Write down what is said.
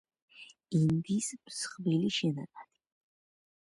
ინდის მსხვილი შენაკადი.